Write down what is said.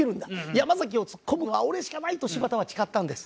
山崎をツッコむのは俺しかないと柴田は誓ったんです。